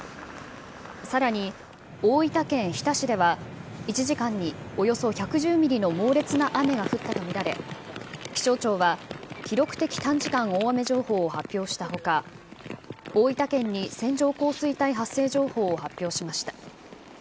さらに大分県日田市では１時間におよそ１１０ミリの猛烈な雨が降ったと見られ、気象庁は記録的短時間大雨情報を発表したほか、大分県に線状降水帯発生情報を発表しました。